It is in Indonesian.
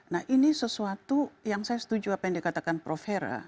nah ini sesuatu yang saya setuju apa yang dikatakan prof hera